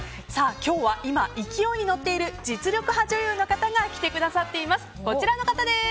今日は今勢いに乗っている実力派女優の方が来てくださっています。